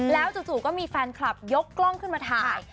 แล้วจู่ก็มีแฟนคลับยกกล้องขึ้นมาถ่าย